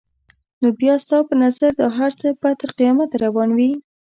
نو بیا ستا په نظر دا هر څه به تر قیامته روان وي؟